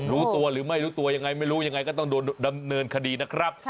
รู้ตัวหรือไม่รู้ตัวยังไงไม่รู้ยังไงก็ต้องโดนดำเนินคดีนะครับ